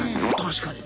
確かに。